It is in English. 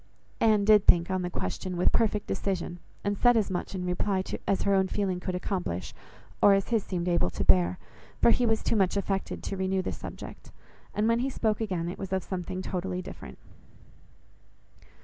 Anne did think on the question with perfect decision, and said as much in reply as her own feeling could accomplish, or as his seemed able to bear, for he was too much affected to renew the subject, and when he spoke again, it was of something totally different.